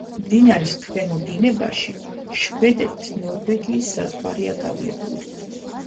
მდინარის ქვემო დინებაში შვედეთ-ნორვეგიის საზღვარია გავლებული.